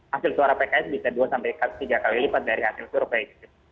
hasil suara pks bisa dua tiga kali lipat dari hasil survei